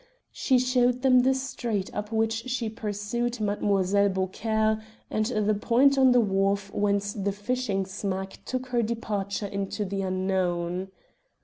She showed them the street up which she pursued Mlle. Beaucaire, and the point on the wharf whence the fishing smack took her departure into the unknown.